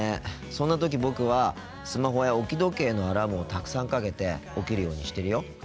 そんな時僕はスマホや置き時計のアラームをたくさんかけて起きるようにしてるよ。